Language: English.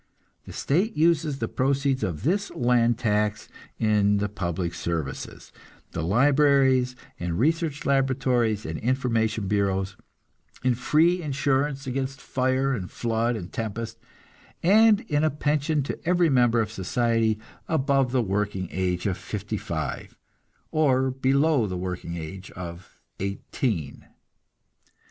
The state uses the proceeds of this land tax in the public services, the libraries and research laboratories and information bureaus; in free insurance against fire and flood and tempest; and in a pension to every member of society above the working age of fifty five, or below the working age of eighteen.